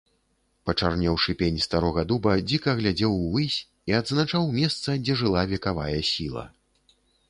Пачарнеўшы пень старога дуба дзіка глядзеў увысь і адзначаў месца, дзе жыла векавая сіла.